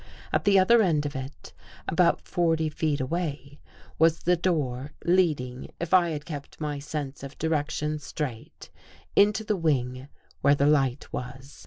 At the other end of It, — about forty feet away — was the door leading, if I had kept my sense of direction straight, into the wing where the light was.